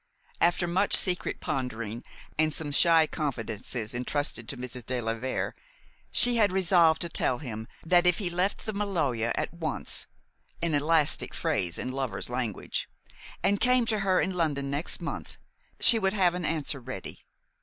After much secret pondering and some shy confidences intrusted to Mrs. de la Vere, she had resolved to tell him that if he left the Maloja at once an elastic phrase in lovers' language and came to her in London next month, she would have an answer ready.